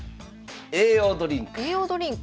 「栄養ドリンク」。